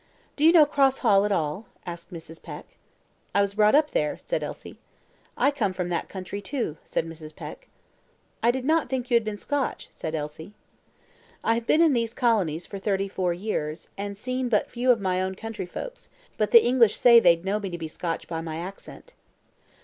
"Do you know Cross Hall at all?" asked Mrs. Peck. "I was brought up there," said Elsie. "I come from that county, too," said Mrs. Peck. "I did not think you had been Scotch," said Elsie. "I have been in these colonies for thirty four years, and seen but few of my own country folks; but the English say they'd know me to be Scotch by my accent."